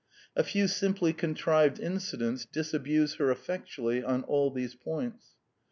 A few simply contrived incidents disabuse her effectually on all these points.